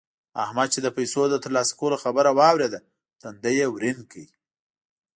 احمد چې د پيسو د تر لاسه کولو خبره واورېده؛ تندی يې ورين کړ.